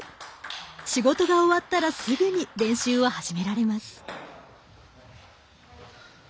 仕事が終わったらすぐに練習を始められます。